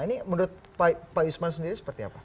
ini menurut pak isman sendiri seperti apa